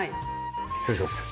失礼します。